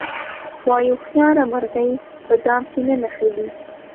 وایي هوښیاره مرغۍ په دام کې نه نښلي.